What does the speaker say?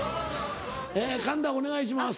神田お願いします。